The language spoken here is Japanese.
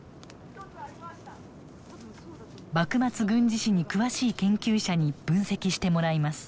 幕末軍事史に詳しい研究者に分析してもらいます。